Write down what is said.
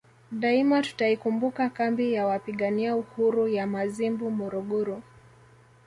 Daima tutaikumbuka kambi ya Wapigania Uhuru ya Mazimbu Morogoro